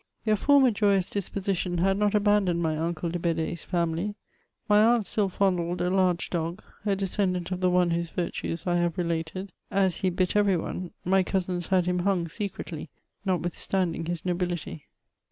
Their former joyous disposition had not abandoned my unde de Bedee's family; my aunt still fondled a large dog, a descendant of the one whose virtues I have related ; as he bit every one, my cousins had him hung secretly, notwithstanding his nobility.